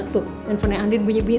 tuh handphonenya andin bunyi bunyi